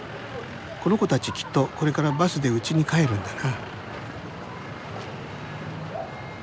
この子たちきっとこれからバスでうちに帰るんだな。